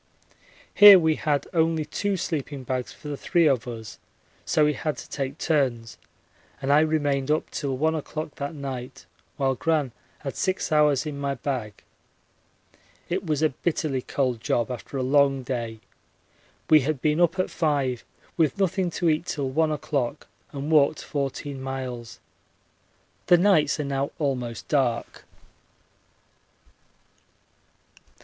Here we had only two sleeping bags for the three of us, so we had to take turns, and I remained up till 1 o'clock that night while Gran had six hours in my bag. It was a bitterly cold job after a long day. We had been up at 5 with nothing to eat till 1 o'clock, and walked 14 miles. The nights are now almost dark.